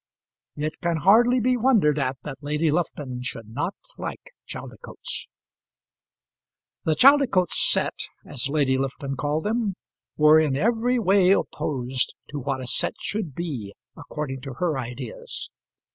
It can hardly be wondered at that Lady Lufton should not like Chaldicotes. The Chaldicotes set, as Lady Lufton called them, were in every way opposed to what a set should be according to her ideas.